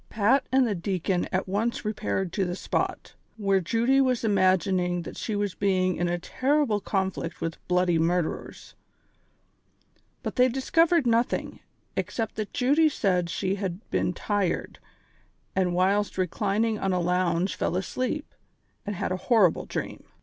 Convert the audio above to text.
Pat and the deacon at once repaired to the spot, where Judy was imagining that she was Ijeing in a terrible con flict with bloody murderers ; but tliey discovered notliing, except that Jud^ said she had been tired, and whilst re clining on a lounge fell asleep, and had a horrible dream.